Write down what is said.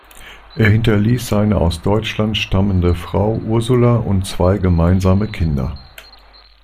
Er hinterließ seine aus Deutschland stammende Frau Ursula und zwei gemeinsame Kinder.